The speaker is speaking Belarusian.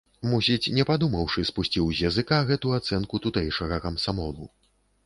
Мусіць, не падумаўшы, спусціў з языка гэту ацэнку тутэйшага камсамолу.